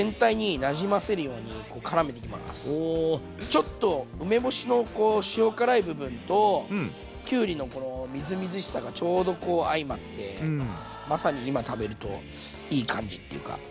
ちょっと梅干しのこう塩辛い部分ときゅうりのこのみずみずしさがちょうどこう相まってまさに今食べるといい感じっていうか。